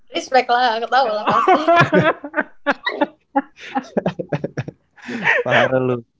respect lah ketawa pasti